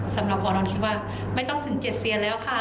สำหรับหมอน้องคิดว่าไม่ต้องถึง๗เซียนแล้วค่ะ